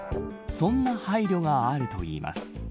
そんな配慮があるといいます。